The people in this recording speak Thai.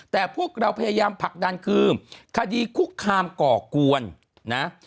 แต่พวกเราพยายามผลักดันคือคดีคุกคามก่อกวนนะ